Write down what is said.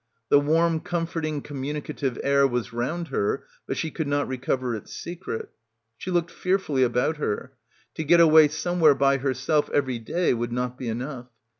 The warm comforting communicative air was round her, but she could not recover its secret. She looked fearfully about her. To get away somewhere by herself every day would not be enough.